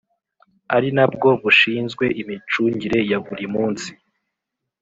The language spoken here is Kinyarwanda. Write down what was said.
Ari nabwo bushinzwe imicungire ya buri munsi